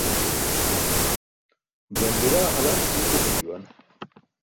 Janduraa halanc huup etum juwan.